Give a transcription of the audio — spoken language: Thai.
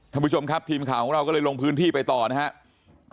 ท่านผู้ชมครับทีมข่าวของเราก็เลยลงพื้นที่ไปต่อนะครับ